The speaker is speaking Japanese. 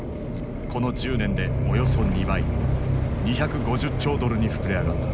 この１０年でおよそ２倍２５０兆ドルに膨れ上がった。